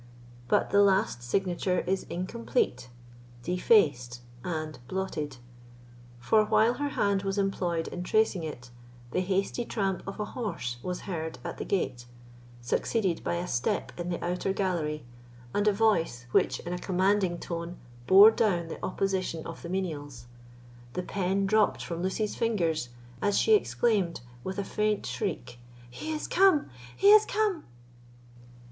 But the last signature is incomplete, defaced, and blotted; for, while her hand was employed in tracing it, the hasty tramp of a horse was heard at the gate, succeeded by a step in the outer gallery, and a voice which, in a commanding tone, bore down the opposition of the menials. The pen dropped from Lucy's fingers, as she exclaimed with a faint shriek: "He is come—he is come!"